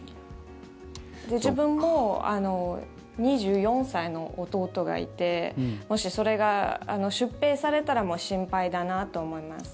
自分も２４歳の弟がいてもし、それが出兵されたら心配だなと思います。